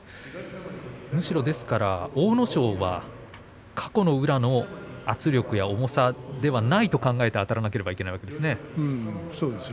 むしろ阿武咲は過去の宇良の圧力や重さではないと考えていかないといけないわけですね。